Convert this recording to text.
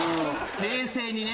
冷静にね。